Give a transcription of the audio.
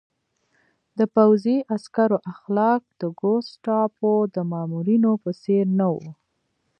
د پوځي عسکرو اخلاق د ګوستاپو د مامورینو په څېر نه وو